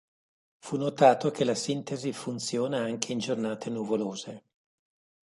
Fu notato che la sintesi funziona anche in giornate nuvolose.